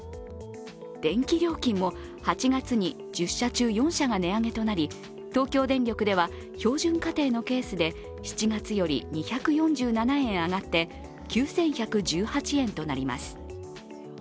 電気料金も８月に１０社中、４社が値上げとなり東京電力では標準家庭のケースで７月より２４７円上がって９１１８円となります。